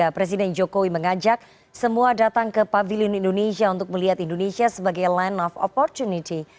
presiden jokowi mengajak semua datang ke pavilion indonesia untuk melihat indonesia sebagai land of opportunity